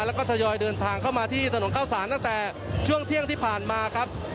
แล้วก็ทยอยเดินทางเข้ามาที่ถนนเข้าสารตั้งแต่ช่วงเที่ยงที่ผ่านมาครับ